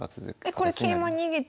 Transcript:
えこれ桂馬逃げても。